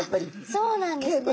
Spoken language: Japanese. そうなんですね。